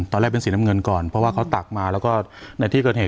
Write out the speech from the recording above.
ตอนแรกเป็นสีน้ำเงินก่อนเพราะว่าเขาตักมาแล้วก็ในที่เกิดเหตุ